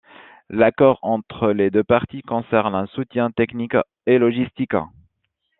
L'accord entre les deux parties concerne un soutien technique et logistique.